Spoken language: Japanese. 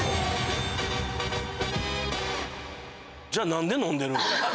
じゃあ何で飲んでる？